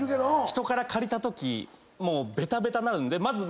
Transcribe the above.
人から借りたときもうベタベタになるんでまず。